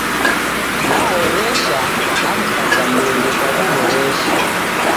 Nahoresha, namkasa Mlungu kwa w'uhoreshi